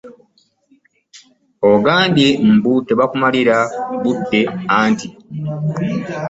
Ogambye mbu tebakumalira budde anti.